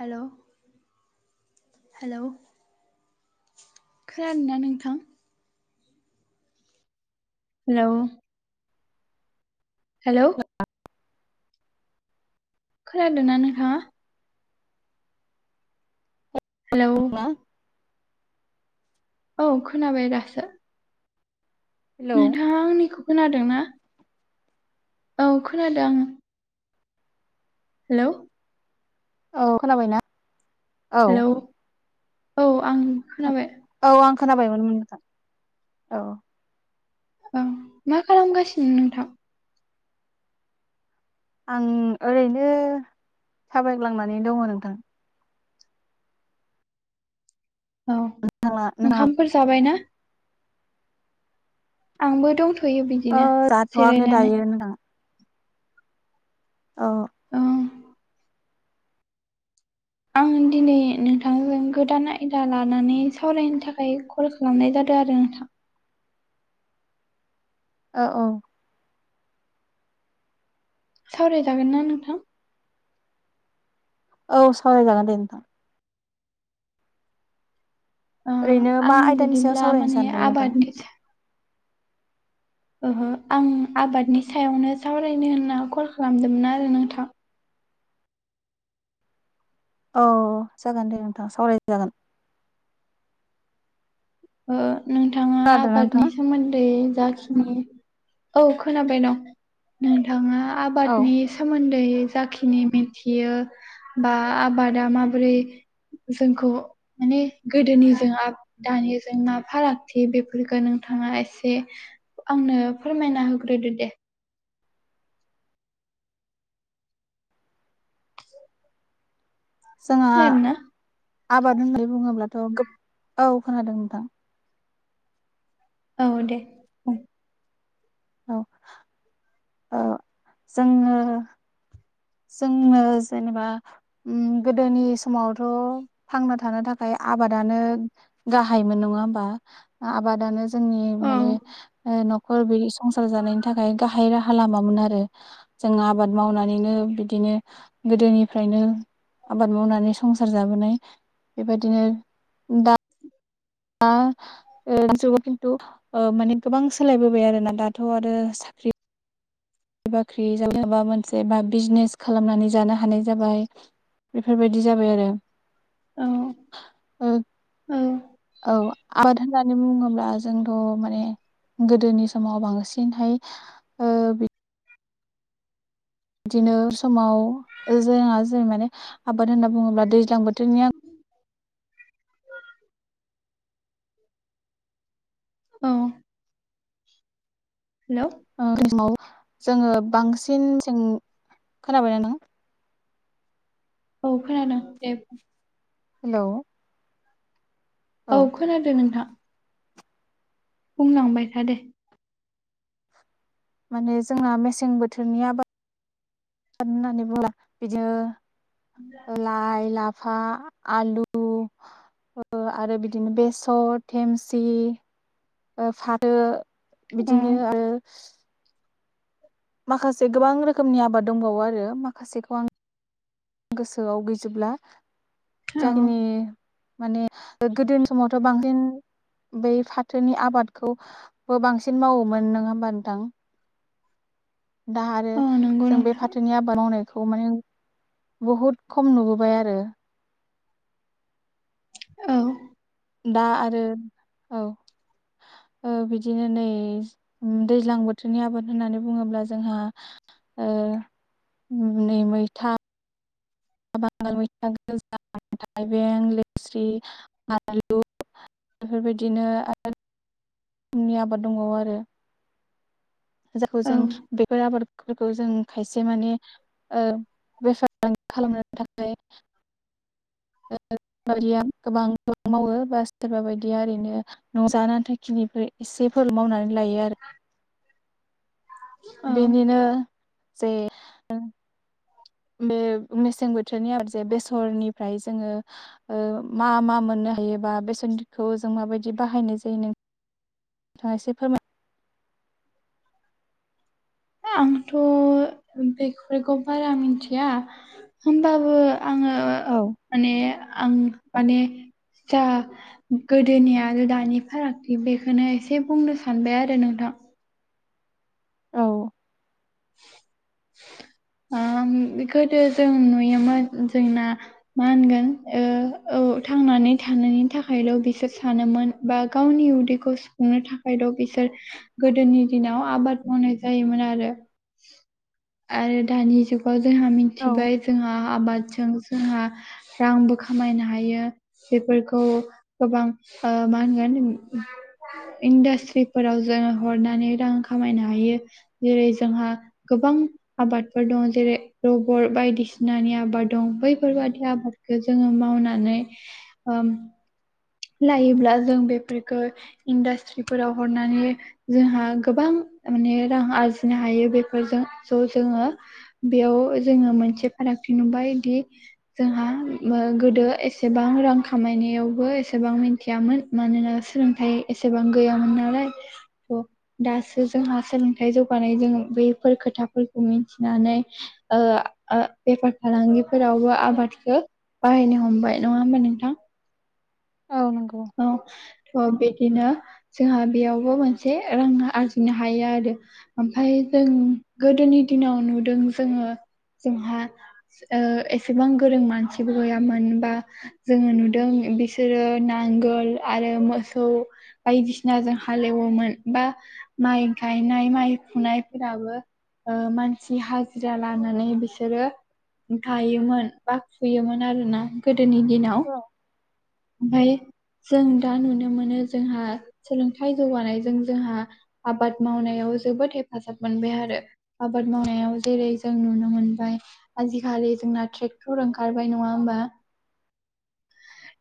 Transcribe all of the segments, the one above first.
Hello hello खानादों ना नोंथां हेलौ हेलौ खोनादोंना नोंथाङा हेलौ औ खोनाबाय दासो नोंथाङा आंनिखौ खोनादों ना औ खोनादों हेलौ औ खोनाबायना औ हेलौ औ आं खोनाबाय औ आं खोनाबायमोन नो औ ओं मा खालामगासिनो नोंथां आं ओरैनो थाबायग्लांनानै दङ नोंथां औ नोंथाङा नोंथाङा ओंखामफोर जाबाय ना आंबो दंथ'यो ओ बिदिनो जाथ'वाखैनो जिरायनानै दायो नोंथां औ औ आं दिनै नोंथांजों गोदान आयदा लानानै सावरायनो थाखाय कल खालामनाय जादों आरो। औ औ सावरायजागोन ना नोंथां। औ सावरायजागोन दे नोंथां। ओ ओरैनो आं मा आयदानि सायाव बिदिब्ला सावरायनो माने सानदों नोंथां आबादनि ओहो आं आबादनि सायावनो सावरायनो होनना कल खालामदोंमोन आरो नोंथां। औ जागोन दे नोंथां सावराय जागोन। नोंथाङा खोनादोंना आबादनि नोंथाङा सोमोन्दै जाखि औ खोनाबाय दं नोंथाङा औ आबादनि सोमोन्दै जाखिनि मिथियो बा आबादा माबोरै। जोंखौ माने गोदोनि जों आ दानि जेंना फारागथि बेफोरखौ नोंथाङा एसे आंनो फोरमायना होग्रोदो दे जोंहा खोनादों ना? आबाद होननानै बुङोब्लाथ' औ खोनादों नोंथां। औ दे। औ औ जोङो। जोंनो जेनेबा। गोदोनि समावथ' थांना थानो थाखाय आबादानो गाहायमोन नङा होमबा आबादानो जोंनि औ माने न बि संसार जानायनि थाखाय गाहाय राहा लामामोन आरो जों आबाद मावनानैनो बिदिनो गोदोनिफ्रायनो आबाद मावनानै संसार जाबोनाय। बेबायदिनो दा दा जुगाव खिन्थु माने गोबां सोलायबोबाय आरोोना दाथ' आरो साख्रि साख्रि बाख्रि जाब माबा मोनसे बा बिजनेस खालामनानै जानो हानाय जाबाय। बेफोरबायदि जाबाय आरो। औ ओ औ। औ आबाद होननानै बुङोब्ला जोंथ' माने गोदोनि समाव बांसिनहाय बिदिनो समाव जोंङा जों माने आबाद होनना बुङोब्ला दैज्लां बोथोरनि आं। औ हेल' बेाव जोङो बांसिनं खोनाबायना नों औ खोनादों दे। हेल' औ खोनादों नोंथां। बुंलांबाय था दे। माने जोंना मेसें बोथोरनि आबाद होननानै बुङा बिदिनो लाइ-लाफा आलु आरो बिदिनो बेसर, थेमसि फाथो अ बिदिनो आरो माखासे गोबां रोखोमनि आबाद दंबावो आरो माखासेखौ गोसोआव गैजोबब्ला औ जाखिनि माने गोदोनि समावथ' बांसिन बै फाथोनि आबादखौबो बांसिन मावोमोन नों होमबा नंदों दा आरो औ नंगौ जों बे नोंथां जोंनि आबाद मावनायखौ माने बहुद खम नुबोबाय आरो। औ। दा आरो औ। बिदिनो नै दैज्लां बोथोरनि आबाद होननानै बुङोब्ला जोंहा नै मैथा बांगाल मैथा, थाइबें, लेस्रि, आलु बेफोरबायदिनो आरो रोखनि आबाद दंबावो आरो। जाखौ औ जों बेफोर आबादफोरखौ जों खायसे माने बेफार फालांगि खालामनो थाखाय बायदिया गोबां गोबां मावो बा सोरबा बायदिया ओरैनो न'आव जानो आनथा खिनिफोर एसेफोर मावनानै लायो आरो औ बेनिनो जे बे मेसें बोथोरनि आबाद जे बेसरनिफ्राय जोङो मा मा मोननो हायोबा बेसनथिखौ जों माबायदि बाहायनाय जायो नों नोंथाङा एसे फोरमाय आंथ' बेफोरखौ बारा मिथिया होमबाबो आङो औ माने आं माने जा गोदोनि आरो दानि फारागथि बेखौनो एसे बुंनो सानबाय आरो नोंथां औ बेखौथ' जों नुयोमोन जोंना मा होनगोन औ थांनानै थानायनि थाखायल' बिसोर सानोमोन बा गावनि उदैखौ सुफुंनो थाखायल' बिसोर गोदोनि दिनाव आबाद मावनाय जायोमोन आरो आरो दानि जुगाव जोंहा औ मिथिबाय जोंहा आबादजों जोंहा रांबो खामायनो हायो बेफोरखौ गोबां मा होनगोन इन्डास्ट्रिफोराव जोङो हरनानै रां खामायनो हायो जेरै जोंहा गोबां आबादफोर दङ जेरै रबर बायदिसिनानि आबाद दं बैफोरबादि आबादखौ जोङो मावनानै उम लायोब्ला जों बेफोरफोरखौ इन्डास्ट्रिफोराव हरनानै जोंहा गोबां माने रां आरजिनो हायो बेफोरजों ज' जोङो बेयाव जोङो मोनसे फारागथि नुबाय दि जोंहा गोदो एसेबां रां खामायनायावबो एसेबां मिथियामोन मानोना सोलोंथाइ एसेबां गैयामोन नालाय थ दासो जोंहा सोलोंथाइ जौगानायजों बैफोर खोथाफोरखौ मिथिनानै बेफार फालांगिफोरावबो आबादखौ बाहायनो हमबाय नङा होमबा नोंथां औ नंगौ अ थ बिदिनो जोंहा बेयावबो मोनसे रां आरजिनो हायो आरो ओमफ्राय जों गोदोनि दिनाव नुदों जोङो जोंहा एसेबां गोरों मानसिबो गैयामोन बा जोङो नुदों बिसोरो ना नांगोल आरो मोसौ बायदिसिना जों हालेवोमोन बा माइ गायनाय माइ फुनायफोराबो मानसि हाजिरा लानानै बिसोरो गायोमोन बा फुयोमोन आरोना गोदोनि दिनाव औ ओमफ्राय जों दा नुनो मोनो जोंहा सोलोंथाइ जौगानायजों जोंहा आबाद मावनायाव जोबोद हेफाजाब मोनबाय आरो आबाद मावनायाव जेरै जों नुनो मोनबाय आजिखालि जोंना ट्रेक्टर ओंखारबाय नङा होमबा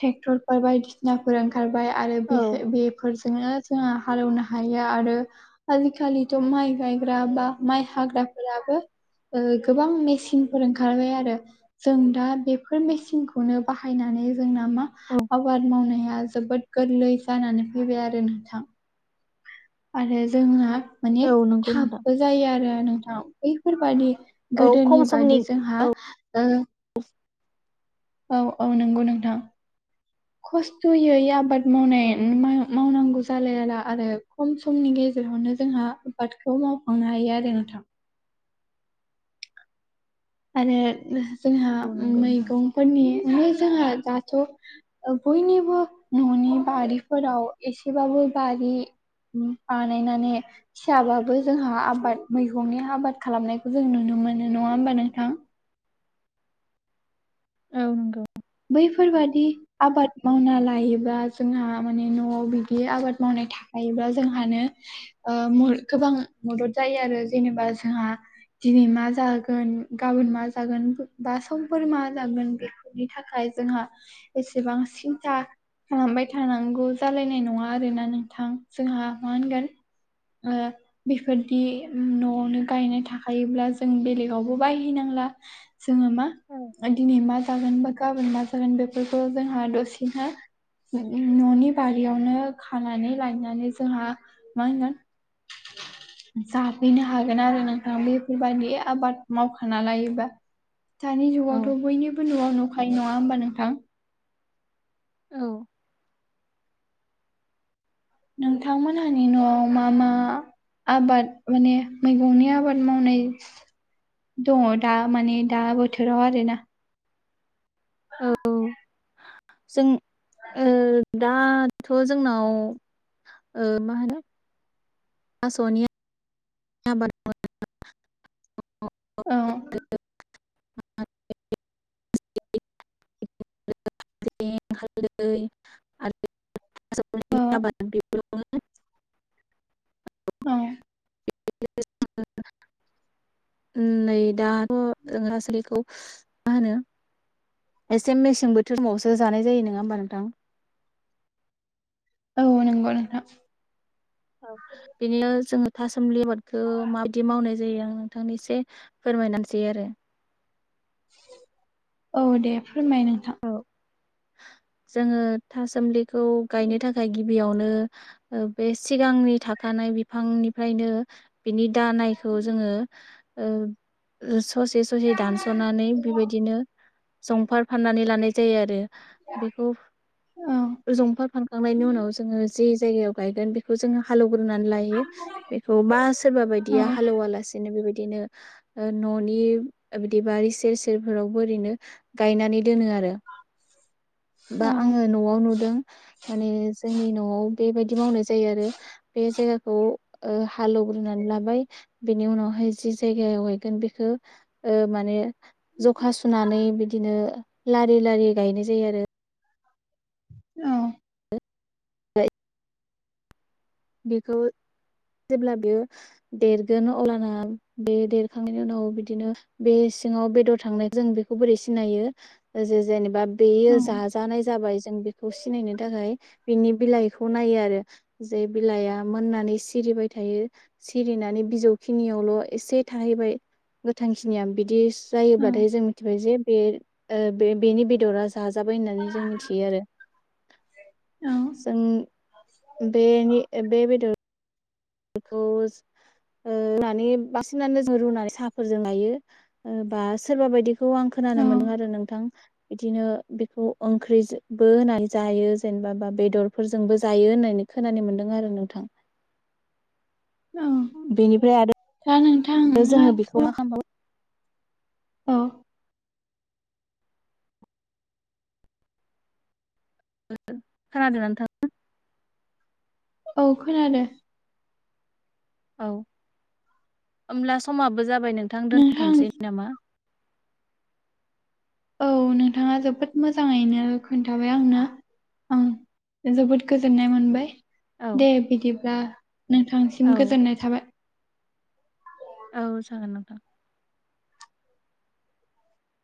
ट्रेक्टरफोर बायदिसिनाफोर ओंखारबाय आरो बे औ बेफोरजोंनो जोंनो हालौनो हायो आरो आजिखालिथ' माइ गायग्रा बा माइ हाग्राफोराबो गोबां मेसिन ओंखारबाय आरो जों दा बेफोर मेचिनखौनो बाहायनानै जोंना मा आबाद मावनाया जोबोद गोरलै जानानै फैबाय आरो नोंथां आरो जोंना माने औ नंगौ नोंथां थाबबो जायो आरो नोंथां बैफोरबादि औ गोदोनि खम समनि बादि जोंहा ओ। औ औ नंगौ नोंथां खस्थयै आबाद मावनाय औ मावनांगौ जालायला आरो खम समनि गेजेरावनो जोंहा आबादखौ मावफांनो हायो आरो नोंथां आरो जोंहा नंगौ नोंथां मैगंफोरनिनो जोंहा दाथ बयनिबो न'नि बारिफोराव एसेबाबो बारि बानायनानै फिसाबाबो जोंहा आबाद मैगंनि आबाद खालामनायखौ जों नुनो मोनो नङा होमबानो नों थां औ नंगौ बैफोरबादि आबाद मावना लायोबा जोंहा माने न'आव बिदि आबाद मावनाय था हायोब्ला जोंहानो ओ मुल गोबां मदद जायो आरो जेनेबा जोंहा दिनै मा जागोन गाबोन मा जागोन बा समफोर मा जागोन बेफोरनि थाखाय जोंहा एसेबां सिन्था खालामबाय थानांगौ जालायनाय नङा आरोना नोंथां जोंहा मा होनगोन ओ बेफोरदि न'आवनो गायनाय थाखायोब्ला जों बेलेगावबो बायहैनांला जोङो मा औ दिनै मा जागोन बा गाबोन मा जागोन बेफोरखौ जोंहा दसेनो न'नि बारियावनो खानानै लायनानै जोंहा मा होनगोन जाफैनो हागोन आरो नोंथां बेफोरबायदि आबाद मावखाना लायोबा दानि औ जुगावथ बयनिबो न'आव नुखायो नङा होमबा नोंथां औ नोंथांमोनहानि न'आव मा मा आबाद माने मैगंनि आबाद मावनाय दङ दा माने दा बोथोराव आरोना औ जों ओ दा दाथ जोंनाव माहोनो थासनि आबाद मावनाय औ [unintelligible] हालदै औ [unintelligible] औ [unintelligible] नै दाथ जों [unintelligible] मा होनो एसे मेसें बोथोरावावसो जानाय जायो नङा होमबा नोंथां औ नंगौ नोंथा औ बेनो जोङो थासुमलि आबादखौ माबायदि मावनाय जायो आं नोंथांनि एसे फोरमायना होनोसै आरो औ दे फोरमाय नोंथां औ जोङो थासुमलिखौ गायनो थाखाय गिबियावनो बे सिगांनि थाखानाय बिफांनिफ्रायनो बिनि दानायखौ जोङो ओ ससे ससे दानसनानै बेबायदिनो जंफार फारनानै लानाय जायो आरो बेखौ औ जंफार फारखांनायनि उनाव जोङो जे जायगायाव गायगोन बेखौ बेखौ जोङो हालेवग्रोनानै लायो बेखौ बा सोरबा औ बायदिया हालेवा लासिनो बेबायदिनो न'नि बिदि बारि सेर सेरफोरावबो ओरैनो गायनानै दोनो आरो बा औ आङो न'आव नुदों माने जोंनि न'आव बेबायदि मावनाय जायो आरो बे जायगाखौ ओ हालेवग्रोनानै लाबाय बेनि उनावहाय जि जायगायाव हैगोन बेखौ ओ माने जखा सुनानै बिदिनो लारि लारि गायनाय जायो आरो औ बेखौ जेब्ला बेयो देरगोन अलाना बे देरखांनायनि उनाव बिदिनो बे सिङाव बेदर थांनाय जों बेखौ बोरै सिनायो जे जेनेबा बेयो औ जाजानाय जाबाय जों बेखौ सिनायनो थाखाय बिनि बिलाइखौ नायो आरो जे बिलाइआ मोननानै सिरिबाय थायो सिरिनानै बिजौखिनियावल' एसे थाहैबाय गोथांखिनिया बिदि दि जायोब्लाथाय जों मिथिबाय जे बे ओ बे बेनि बेदरा जाजाबाय होननानै जों मिथियो आरो औ जों [unintelligible] बेनि बे बेदर खौ ओ रुनानै बांसिनानो जों रुनानै साहाफोरजों लायो बा सोरबा बायदि खौ आं औ खोनानो मोन्दों आरो नोंथां बिदिनो बेखौ ओंख्रिबो होनानै जायो जेनेबा बा बेदरफोरजोंबो जायो होननानै खोनानो मोन्दों आरो नोंथां औ बेनिफ्राय आरो दा नोंथां आरो जोङो बेखौ ना खालामामबावो औ खोनादों ना नोंथां औ खोनादों औ होमब्ला समाबो जाबाय नोंथां दोनथ'नोसै नामा औ नोंथाङा जोबोद मोजाङैनो खोन्थाबाय आंनो ओं जोबोद गोजोननाय मोनबाय औ दे बिदिब्ला नोंथांसिम औ गोजोननाय थाबाय औ जागोन नोंथां